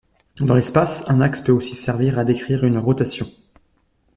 Dans l'espace, un axe peut aussi servir à décrire une rotation.